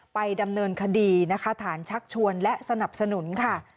ไปดำเนินคดีนะคะฐานชักชวนและสนับสนุนค่ะ